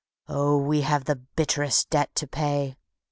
Oh, we have the bitterest debt to pay.